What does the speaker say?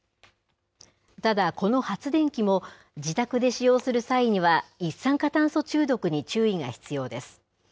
ただ、この発電機も、自宅で使用する際には、一酸化炭素中毒に注意が必要です。